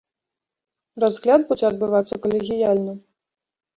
Разгляд будзе адбывацца калегіяльна.